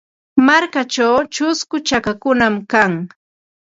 Markachaw chusku chakakunam kan.